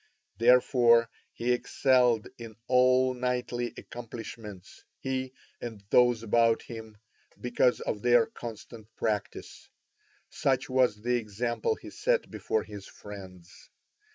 Therefore he excelled in all knightly accomplishments, he and those about him, because of their constant practice. Such was the example he set before his friends.